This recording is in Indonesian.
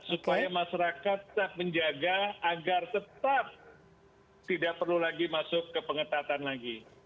supaya masyarakat tetap menjaga agar tetap tidak perlu lagi masuk ke pengetatan lagi